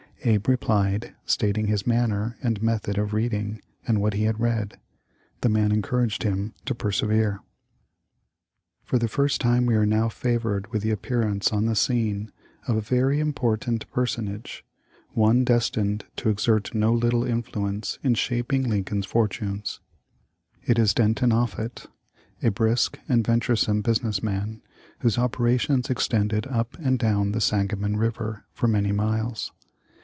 Abe replied, stating his manner and method of reading, and what he had read. The man encour aged him to persevere." For the first time we are now favored with the appearance on the scene of a very important per sonage — one destined to exert no little influence 72 TUB LIPE OP LINCOLN: in shaping Lincoln's fortunes. It is Denton Offut, a brisk and venturesome business man, whose opera tions extended up and down the Sangamon river for many miles.